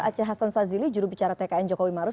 aceh hasan sazili juru bicara tkn jokowi maruf